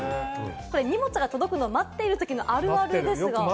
これ、荷物が届くのを待っているときのあるあるですが。